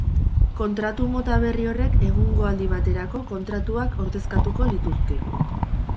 Kontratu mota berri horrek egungo aldi baterako kontratuak ordezkatuko lituzke.